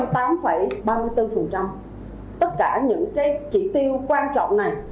tất cả những chi tiêu quan trọng này